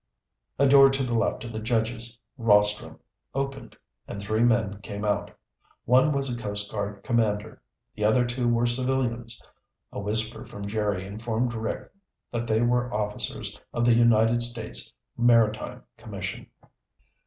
A door to the left of the judge's rostrum opened and three men came out. One was a Coast Guard commander. The other two were civilians. A whisper from Jerry informed Rick that they were officers of the United States Maritime Commission.